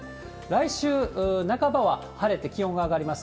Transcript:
来週半ばは晴れて気温が上がります。